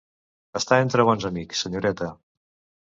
Està entre bons amics, senyoreta.